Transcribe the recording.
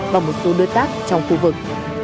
và một số đối tác trong khu vực